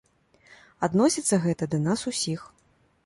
Адносіцца гэта да нас усіх.